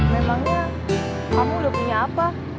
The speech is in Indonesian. memangnya kamu udah punya apa